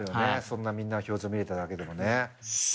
そんなみんなの表情見れただけでもね。